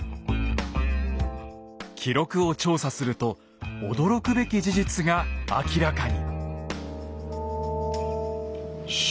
記録を調査すると驚くべき事実が明らかに。